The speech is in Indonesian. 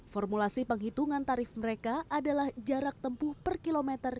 formulasi penghitungan tarif mereka adalah jarak tempuh per kilometer